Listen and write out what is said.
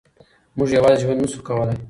موږ یوازې ژوند نه شو کولای.